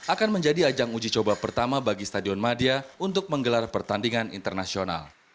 akan menjadi ajang uji coba pertama bagi stadion madia untuk menggelar pertandingan internasional